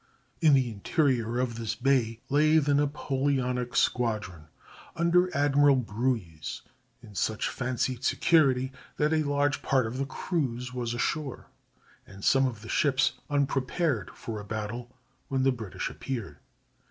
In the interior of this bay lay the Napoleonic squadron, under Admiral Brueys, in such fancied security that a large part of the crews was ashore, and some of the ships unprepared for a battle when the British appeared.